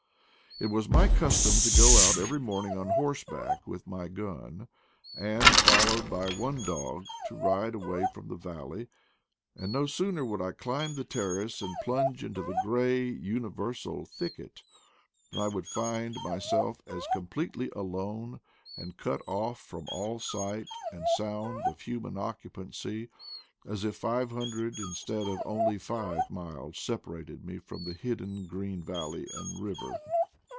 It was my custom to go out every morning on horseback with my gun, and, followed by one dog, to ride away from the valley; and no sooner would I climb the terrace and plunge into THE PLAINS OF. PATAGONIA 205 the gray universal thicket, than I would find my self as completely alone and cut off from all sight and sound of human occupancy as if five hundred instead of only five miles separated me from the hidden green valley and river.